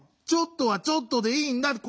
「ちょっと」は「ちょっと」でいいんだ！